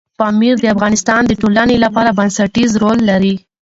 پامیر د افغانستان د ټولنې لپاره بنسټيز رول لري.